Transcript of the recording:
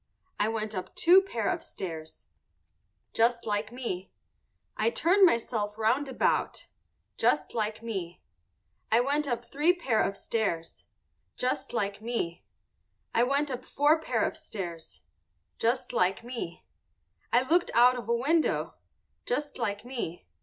_ I went up two pair of stairs. Just like me. I turned myself round about. Just like me. I went up three pair of stairs. Just like me. I made a cross on the wall. Just like me. I went up four pair of stairs. Just like me. I looked out of a window. _Just like me.